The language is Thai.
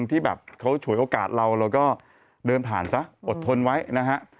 ที่แบบเขาฉวยโอกาสเราเราก็เดินผ่านซะอดทนไว้นะฮะ